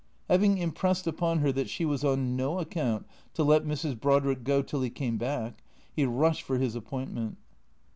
Having impressed upon her that she was on no account to let Mrs. Brodrick go till he came back, he rushed for his appoint ment.